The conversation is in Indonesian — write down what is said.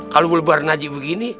kalau bule bar naji begini